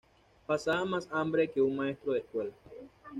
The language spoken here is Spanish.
Pasaba más hambre que un maestro de escuela